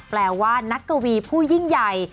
แปลว่านักกวีผู้ยิ่งใหญ่